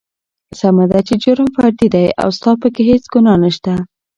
سمه ده چې جرم فردي دى او ستا پکې هېڅ ګنا نشته.